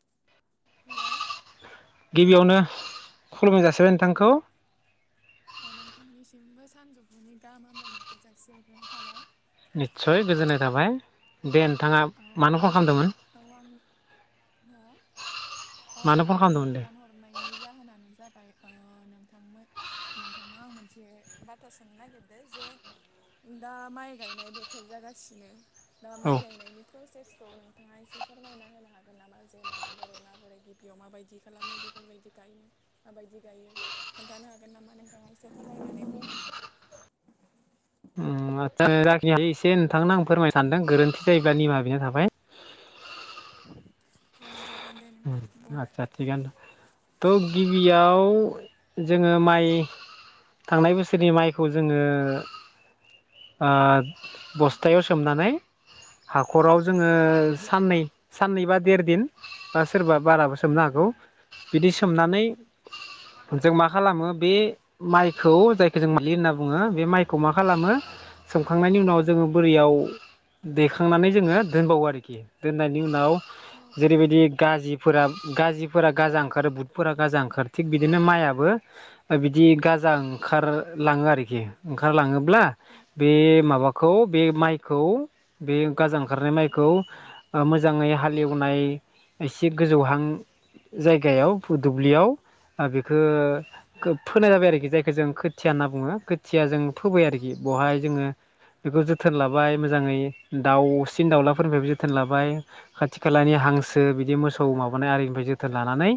[inaudible] Hello गिबियावनो खुलुमनाय जासिबाय नोंथांखौ। बो सानजौफुनि गाहाम हामलायनायखौ जासि हरनाय थाबाय। निस्सय गोजोननाय थाबाय दे नोंथाङा औ मानो आं कल नोंथां खालामदोंमोन? औ आं हो अ आं मानो फन नोंथांनो खालामदोंमोन दे फन हरनायनि जाहोनानो जाब ओमफ्राय नोंथां नोंथांनाव आं मोनसे बाथ्रा सोंनो नागिरदों जे। दा माइ गायनाय बोथोर जागासिनो दा औ माइ गायनायनि। नोंथाङा एसे फोरमायना होनो हागोन नामा जे माबोरै माबोरै गिबियाव माबायदि खालामो बे बेफोरबायदि गायनो माबायदि गायो खोन्थानो हागोन नामा नोंथाङा एसे फोरमायनानै। [inaudible] जाखिनि हायो एसे नोंथांनो आं फोरमाय सानदों गोरोन्थि जायोब्ला निमा बिना थाबाय। [inaudible] बुं आतसा थिगानोथ थ' गिबियाव। जोङो माइ थांनाय बोसोरनि माइखौ जोङो। उम बस्थायाव उम सोमनानै हाख'राव। जोङो औ नोंथां साननै साननै बा देर दिन बा सोरबा। बाराबो सोमनो उम उम हागौ बिदि सोमनानै। उम जों मा खालामो बे माइखौ जायखौ जों मायलि होनना बुङो बे माइखौ मा खालामो। औ सोमखांनायनि उनाव जोङो नोंथां बोरियाव। दैखांनानै जोङो दोनबावो आरोखि दोननायनि उनाव औ औ जेरैबायदि। गाज्रिफोरा गाजा ओंखारो बुटफोरा गाजा ओंखारो थिग बिदिनो माइाबो बि बिदि गाजा औ ओंखारलाङो आरोखि। ओंखारलाङोब्ला औ बे माबाखौ बे माइखौ बे गाजा ओंखारनाय औ माइखौ। खौ मोजाङै हालेवनाय एसे गोजौहां। जायगायाव दुब्लियाव। बेखौ फोनाय जाबाय आरोखि जायखौ जों खोथिया होनना बुङो खोथिया जों। फोबाय औ आरोखि बेवहाय जोङो बेखौ ज जोथोन लाबाय मोजाङै दाउसिन दाउलाफोरनिफ्राय जोथोन लाबाय खाथि खालानि हांसो। बिदि मोसौ माबानाय आरिनिफ्राय जोथोन लानानै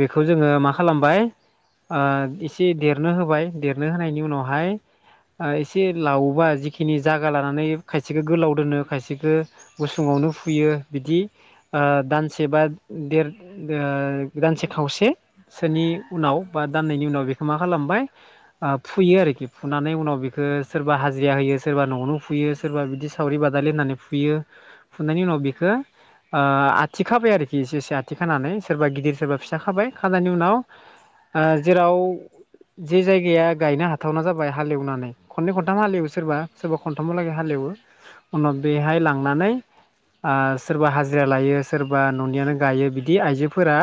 बेखौ जोङो मा खालामबाय। एसे देरनो होबाय देरनो होनायनि उनावहाय। एसे लावोबा जिखिनि जायागा लानानै खायसेखौ गोलाव दोनो खायसेखौ गुसुङाव। नो फुयो बिदि। दानसे बा दानसे खावसे सोरोनि। उनाव बा दान्नायनि उनाव बेखौ मा? मा खालामबाय फुयो आरोखि फुनानै उनाव बेखौ सोरबा हाजिरा होयो सोरबा न'आवनो फुयो। सोरबा बिदि सावरि बादालि होननानै फुयो फुनायनि उनाव बेखौ आथि खाबाय आरोखि एसे एसे आथिं खानानै सोरबा गिदिर सोरबा फिसा खाबाय खानायानि उनाव। जेराव जे जायगाया गायनो हाथावना जाबाय हालेवनानै। खननै खनथाम हालेवो सोरबा सोरबा खनथामावलागै हालेवो उनाव बेहाय औ औ औ लांनानै। आरो हाजिरा लायो सोरबा न'नियानो गायो बिदि आइजोफोरा।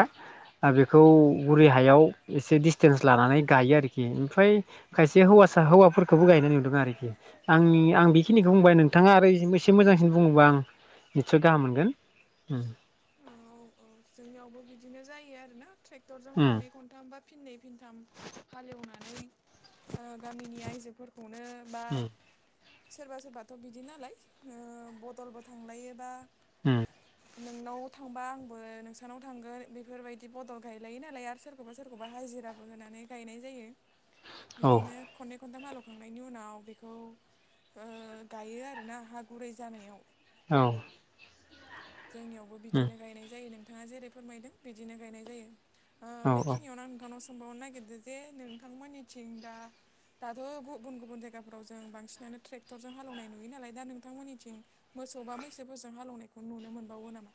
बेखौ बुरै हायाव एसे डिसटेन्स लानानै गायो आरोखि ओमफ्राय खायसे हौवा आचसा हौवाफोरखौबो गायनाय नुदों आरोखि आंनि आं बेखिनिखौ बुंबाय नोंथाङा आरो एसे मोजांसिन बुङोबा। आं निसय गाहाम मोनगोन। जोंनियावबो बिदिनो जायो आरो ना ट्रेक्टरजों उम खननै खनथामबा फिननै फिनथाम हालेवनानै गामिनि आइजोफोरखौ [unintelligible] सोरबा सोरबाथ' बिदि नालाय बदलबो थांलायोबा ओम नोंनाव थांबा आं बो नोंसानाव थांगोन बेफोरबायदि बदल गायलायो नालाय आरो सोरखौबा सोरखौबा हाजिराबो होनानै गायनाय जायो औ बिदिनो खननै खन्थाम हालौखांनायनि उनाव बेखौ गायो आर ना हा गुरै जानायाव औ जोंनियावबो उम बिदिनो गायनाय जायो नोंथाङा जेरै फोरमायदों बिदिनो गायनाय जायो। ओ औ औ बेखिनियावनो आं नोंथांनाव सोंबावनो नागिरदों जे नोंथांमोननिथिं दा दाथ' गुबुन गुबुन जायगाफोराव जों बांसिनानो ट्रेक्टरजों हालेवनाय नुयो नालाय दा नोंथांमोननिथिं मो सौबा मैसोफोरजों हालेवनायखौ नुनो मोनबावो नामा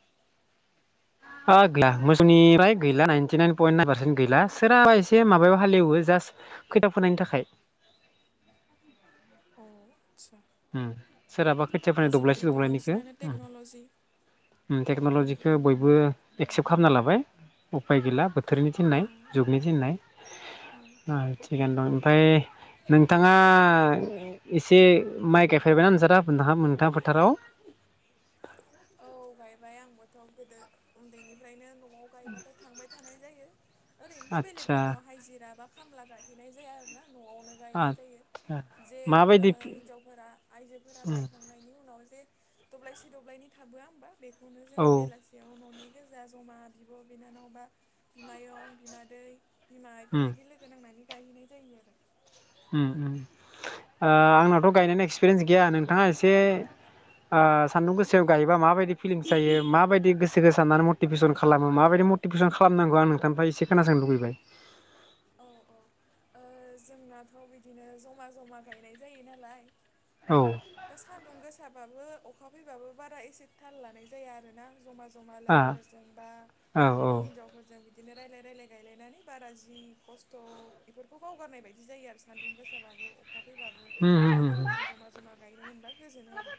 ओ गैला मोसौनिफ्राय गैला नाइनटिनाइन पइन नाइन पारसेन्ट गैला सोराबा एसे माबायाव हालवो जास खोथिया फोनायनि थाखाय अ आदसा उम सोरहाबा खोथिया फोनो दब्लायसे आजिखालिथ' दब्लायनैखौ बांसिनानो उम टेक्न'ल'जि उम औ टेक्न'लजिखौ बयबो एक्सेप्ट खालामना लाबाय उफाय गैला बोथोरनि औ थिननाय जुगनि थिननाय औ उम औ थिगनो दं ओमफाय नोंथाङा एसे माइ गायफेरबायना नोंसा दा नोंहा नोंथांङा फोथाराव औ गायबाय आंबोथ' गोदो उन्दैनिफ्रायनो न'आव गायबाथाय थांबाय थानाय जायो ओरैनोथ' आदसा बेलेगफोरनाव हाजिरा बा खामला गायहैनाय जाया आरो ना। न'आवनो गायनाय जायो। आदसा जे ओ माबायदि हिनजावफोरा आइजोफोरा उम गायखांनायनि उनाव जे दब्लायसे दब्लायनै थाबोआ होमबा बेखौनो औ जोङो उम बेलासियाव न'नि गोजा जमा बिब' बिनानाव बा बिमायं बिमादै बिमा बेफोरबायदि लोगो नांनानै गायहैनाय जायो आरो उम उम आंनावथ' गायनायनि एक्सपिरियेन्स गैया नोंथाङा एसे ओ सान्दुं गोसोआव गायोबा माबायदि फिलिंस जायो माबायदि गोसोखौ साननानै मटिभेसन खालामो माबायदि मटिभेसन खालामनांगौ आं नोंथांनिफ्राय इसे खोनासंनो लुबैबाय। [inaudible] औ औ ओ जोंनाथ' बिदिनो जमा जमा गायनाय जायो नालाय औ दा सान्दुं गोसाबाबो अखा फैबाबो बारा एसे थाल लानाय जाया आरोना ज'मा ज'मा आ लोगोफोरजों बा औ हिनजावफोरजों बि बिदिनो रायलाय रायलाय गायलायनानै बारा जि खस्थ' बेफोरखौ बावगारनाय बायदि जायो आरो सान्दुं गोसाबाबो अखाफैबाबो होम होम लोगोफोरजों जमा जमा गायनो मोनबा गोजोनो आरो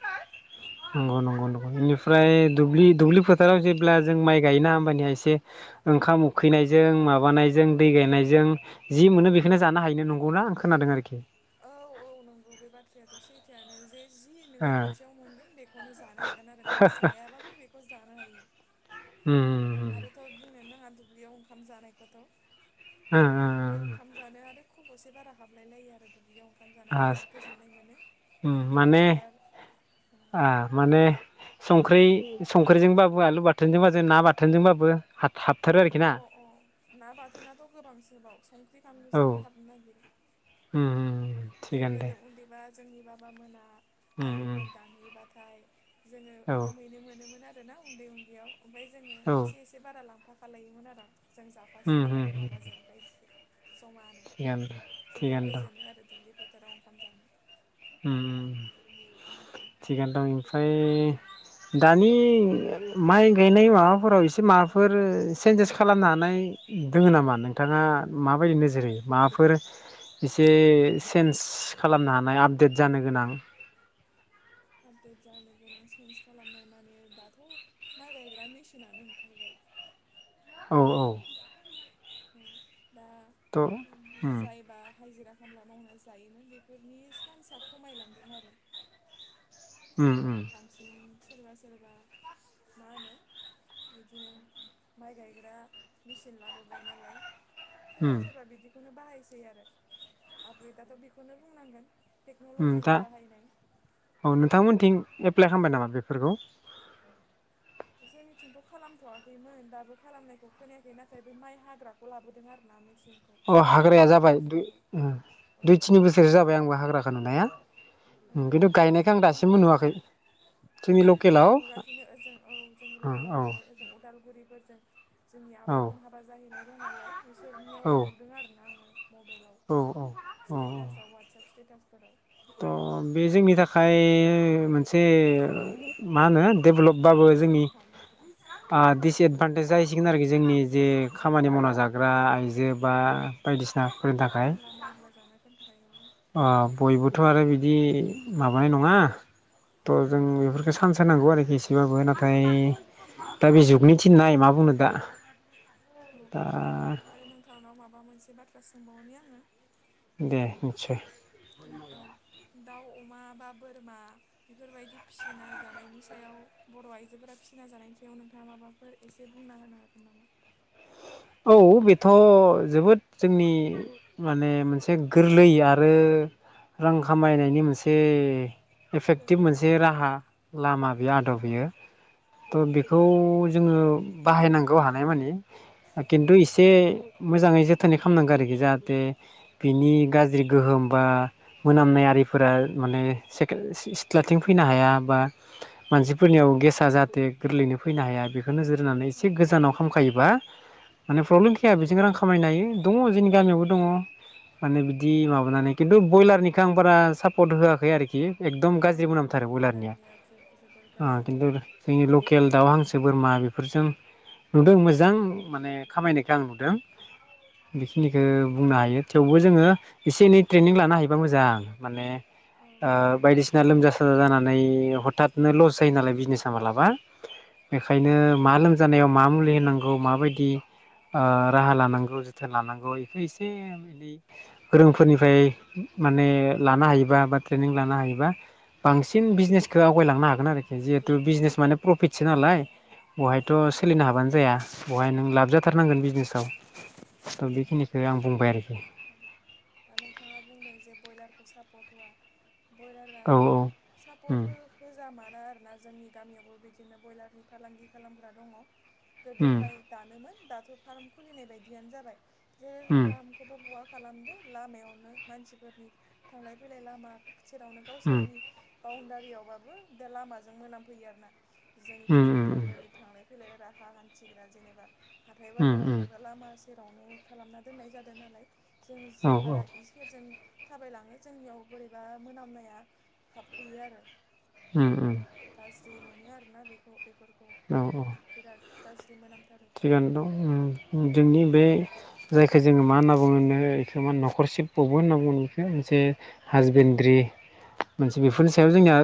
नंगौ नंगौ नंगौ बेनिफ्राय औ दुब्लि दुब्लिफोर फोथाराव जेब्ला जों माइ गायोना होमबखया एसे ओंखाम उखैनायजों माबानायजों दै गायनायजों जों जि मोनो बेखौनो जानो हायोनो नंगौना आं खोनादों आरोखि। औ औ नंगौ बे बाथ्रायाथ' सैथोयानो जे जि नोङो ओ खाथियाव मोनगोन बेखौनो जानो हागोन आरो नों जायाबाबो बेखौ जानो हायो। उम उम आरोथ' बुंनो नाङा दुब्लियाव ओंखाम जानायखौथ' ओ दुब्लियाव ओ ओंखाम जानो आरो ओ खब'से बारा हाबलायलायो आरो दुब्लियाव ओंखाम जाना ओ बिराद गोजोननाय मोनो ओ लांदां माने फोथार आ माने संख्रि संख्रिजोंबाबो आलु बाथोनजोंबो ना बाथोनजोंबाबो हाब हाबथारो अ आरोखि ना अ ना बाथोनथ' गोबांसोबाव संख्रि बानलुजोंनो औ हाबनो नागिरो। उम उम जों थिगानो दे गोदो उन्दैबा जोंनि बाबामोना उम उम आलिफोर दानहैबा जोङो औ ओंखाम हैैनो मोनोमोन आरो ना उन्दै उन्दैयाव ओमफय जोङो औ एसे एसे बारा लां फाखालायोमोन आरों जों उम जाफासिगोन आरो उम बाबाजों ओमफाय जि ज'मानो थिगानो जोबोर थिगानो दं गोजोनो आरो दुब्लि बोथोराव ओंखाम जानो। उम थिगानो दं ओमफ्राय दानि माइ गायनाय माबाफोराव एसे माबाफोर चेन्जेस खालामनो हानाय दोङो नामा नोंथाङा माबायदि नोजोर होयो माबाफोर इसे चेन्ज खालामनो हानाय आपडेट जानो गोनां। आपडेट जानो गोनां सेन्स खालामनाय माने दाथ' माइ गायग्रा मेसिनानो ओंखारबाय ‌ [inaudible] औ औ दा थ' उम जायबा हाजिरा खामला मावना जायोमोन बेफोरनि सान्सायआ खमायलांदों आरो उम उम बांसिन सोरबा सोरबा मा होनो बिदिनो माइ गायग्रा मेचिन लाबोबाय नालाय सोरबा उम सोरबा बिदिखौनो बाहायसै आरो आपग्रेडाथ' बेखौनो बुंनांगोन ओम दा टेक्न'ल'जिनि बाहायनाय औ नोंथांमोनथिं एप्लाइ खालामबाय नामा बेफोरखौ? जोंनिथिंथ' खालामथ'वाखैमोन दाबो खालामनायखौ खोनायाखै नाथाय बे माइ हाग्राखौ लाबोदों आरोना मेचिनखौ अ माइ हाग्राया हाग्रा जाबायइ दुइ मेचिनखौ ओ औ दुइ थिनि बोसोरसो जाबाय आंबो हाग्राखौ नुनाया औ खिन्थु नाथाय गायनायखौ आं गायग्राखौ दासिमबो नुथ'वाखै नुवाखै जोंनि ससियेल लकेलाव मिडिआव नुगासिनो ओजों औ जोंनि औ लकेलाव औ नुवाखै ओजों उदालगुरि फोरजों जोंनि औ आब'मोन हाबा जाहैनाय दं नालाय बिसोरनियाव औ नुदों आरे ना आङो मबाइलाव औ औ स्टेटासाव वाट्सएप स्टेटास थ' बे जोंनि थाखाय मोनसे मा होनो डेभलपबाबो जोंनि दिसएदभान्टेज आ दिडिसएदभान्टेेज जाहैसिगोन आरोखि जोंनि जे औ खामानि औ मावना जाग्रा खामला आइजो बा बायदिसिना खामला मावग्रा जानोफोरोननि ओ थाखाय बयबोथ' आरो बिदि उम माबानाय नङा थ' जों औ बेफोरखौ सान्स होनांगौ आरोखि एसेबाबो नाथाय औ ओमफ्राय दा बे जुगनि थिननाय मा बुंनो दा औ दा औ आरो नोंथांनाव माबा मोनसे बाथ्रा सोंबावनि आङो दे निसय औ दाउ अमा बा बोरमा बेफोरबायदि फिसिना जानायनि सायाव बर' आइजोफोरा फिसिना जानायनि सायाव नोंथाङा माबाफोर एसे बुंना होनो हागोन नामा? औ बेथ' जोबोद जोंनि माने मोनसे गोरलै आरो रां खामायनायनि मोनसे एफेक्टिभ गोरलै मोनसे आदब आरो राहा ना लामा बेयो आदब बेयो थ' औ बेखौ जोङो बाहायनांगौ हानाय मानिे किन्थु एसे औ मोजाङै जोथोन नाय खालामनांगौ आरोखि जाहाथे बिनि गाज्रि गोहोम बा मोनामनाय आरिफोरा माने सेकेल सिथ्लाथिं फैनो हाया बा मान फोरनियाव गेसा औ जाहाथे गोरलैनो फैनो हाया बेखौ नोजोर होनानै औ एसे गोजानाव खामखायोबा माने प्रब्लेम गैया बेजोंनो रां खामायनो हायो दङ जोंनि गामियावबो दङ माने बिदि बहुद औ माबानानै किन्थु ब्रयलारनिखौ आं बारा सापर्ट होआखै आरोखि एकदम औ गाज्रिबो औ नामथारो बयलारनिया जोबोर गाज्रि किन्थु जोंनि लकेल दाउ हांसो गोसो बोरमा बेफोरजों नुदों मोजां औ माने खामायनायखौ आं नुदों बेखिनिखौ औ बुंनो हायो थेवबो जोङो एसे एनै ट्रेनिं लानो हायोबा मोजां माने औ ओ औ बायदिसिना लोमजा साजा जानानै हथात नो लस जायो नालाय बिजनेसा मालाबा बेनखायनो मा लोमजानायाव मा मुलि होन होनांगौ माबायदि ओ राहा लानांगौ जोथोन लानांगौ बेखौ एसे एनै गोरोंफोरनिफ्राय माने लानो हायोबा बा ट्रेनिं लानो हायोबा बांसिन बिजनेसखौ आवगायलांनो हागोन आरोखि जिहेतु बिजनेस माने प्रफिटसो नालाय बहायथ' सोलिनो हाबानो जाया बहाय नों लाबजाथारनांगोन औ बिजनेसाव औ थ' बेखिनिखौ आं बुंबाय आरोखि दा नोंथाङा बुंदों जे ब्रयलारखौ सापर्ट होआ ब्रयलारा औ औ सापर्ट उम हो होजामानो दा आरोना जोंनि गामियावबो बिदिनो ब्रयलारनि फालांगि खालामग्रा दङ गोदोहाय दानोमोन दाथ' फार्म खुलिनाय बायदियानो जाबाय जेरै उम फार्मखौबो बहा खालामदो लामायावनो मानसिफोरनि थांलाय फैलाय लामा सेरावनो उम उम गावसोरनि बाउन्डारियावबाबो दा लामाजों मोनामफैयो आरोना जोंनि उम उम सामफ्रामबोनि थांलाय फैलाय राहा हान्थिग्रा जेनेबा हाथाय उम बाजाराव उम थांग्रा लामा जेरावनो खालामना दोननाय जादों नालाय जों औ जेब्ला औ इ सेरजों थाबायलाङो जोंनियाव बोरैबा मोनामनाया हाबफैयो आरो उम उम गाज्रि मोनो आरोना बेखौ बेफोरखौ औ औ बिराद गाज्रि मोनाम थिगानो दं जोंनि बे जायखौ जोङो मा होनना बुङोनो बेखौ मा नखरसेब बबो होनना बुङो बेखौ मोनसे हासबेन्दड्रि [unintelligible] मोनसे बेफोरनि सायाव जोंनिया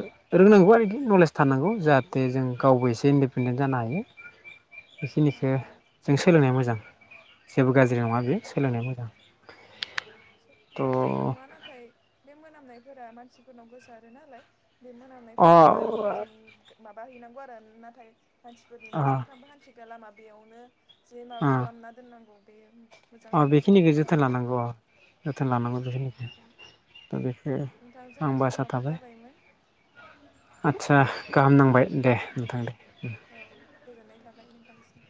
रोंनांगौ आरोखि नलेज थानांगौ जाहाथे जों गावबो एसे इन्डिपेडेन जा नो हायो [unintelligible] खिनिखौ जों सोलोंनाया मोजां जेबो गाज्रि नङा बेयो सोलोंनाया मोजां थ' गाज्रिथ' नङा नाथाय बे मोनाम मानसिफोरनाव गोसो आरो नालाय बे अ मोनामनायफोरखौ बारिफोरजों माबा हैनांगौ आरो नाथाय मानसिफोरनि अ बे सानफ्रामबो हान्थिग्रा लामा बेयावनो जे माबा अ खालामना दोननांगौ बे मोजां अ बाथ्रा बेखिनिखो नङा जोथोन आरोना लानांगो अ जोथोन लानांगौ औ बेखिनिखौ दा बेखौ नोंथां आं जोंना बायसा समाबो थाबाय जाबायमोन आचसा गाहाम नांबाय दे औ नोंथां दे औ गोजोननाय थाबाय नोंथांनिसिम